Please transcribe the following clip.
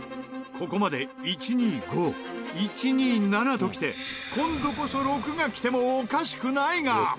ここまで１２５１２７ときて今度こそ６がきてもおかしくないが。